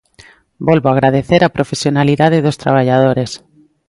Volvo agradecer a profesionalidade dos traballadores.